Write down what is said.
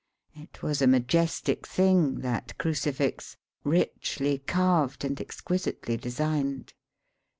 It was a majestic thing, that crucifix, richly carved and exquisitely designed.